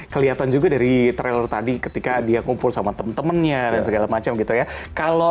kelihatan juga dari trailer tadi ketika dia ngumpul sama temen temennya dan segala macam gitu ya kalau